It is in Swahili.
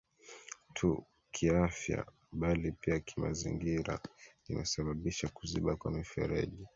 tu kiafya bali pia kimazingira Imesababisha kuziba kwa mifereji